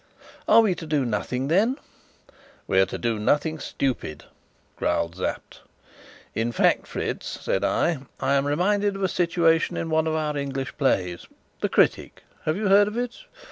"Are we to do nothing, then?" "We're to do nothing stupid," growled Sapt. "In fact, Fritz," said I, "I am reminded of a situation in one of our English plays The Critic have you heard of it?